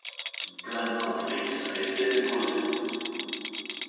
Une plainte contre X a été déposée.